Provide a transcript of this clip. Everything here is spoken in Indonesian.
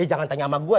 eh jangan tanya sama gue